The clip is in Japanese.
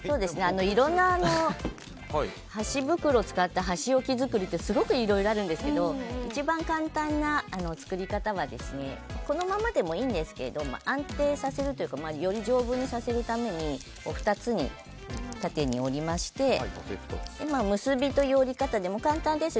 いろんな箸袋を使った箸置き作りってすごくいろいろあるんですけど一番簡単な作り方はこのままでもいいんですけど安定させるというかより丈夫にさせるために２つに縦に折りまして結びという折り方で、簡単です。